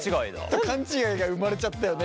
勘違いが生まれちゃったよね